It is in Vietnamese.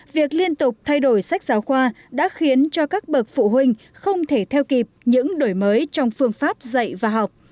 việc liên tục thay đổi sách giáo khoa đã khiến cho các bậc phụ huynh không thể theo kịp những đổi mới trong phương pháp dạy và học